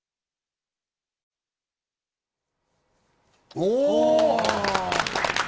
お！